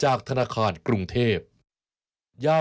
เปียกกันหรือยังคะ